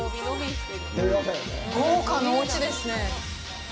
豪華なおうちですね。